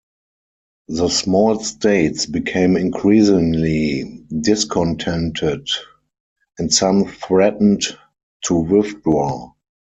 The small States became increasingly discontented, and some threatened to withdraw.